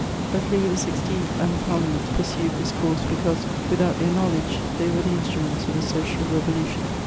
But Louis XVI. and the Parliaments pursued this course because, without their knowledge, they were the instruments of a social revolution.